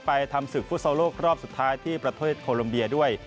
ทำศึกฟุตซอลโลกรอบสุดท้ายที่ประเทศโคลมเบียด้วย